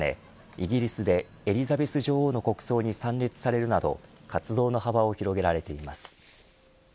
イギリスでエリザベス女王の国葬に参列されるなど活動の幅を広げられています。